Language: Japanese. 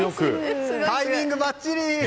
タイミングばっちり！